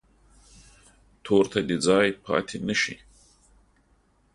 تور ته دې ځای پاتې نه شي.